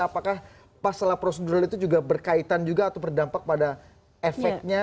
apakah masalah prosedural itu juga berkaitan juga atau berdampak pada efeknya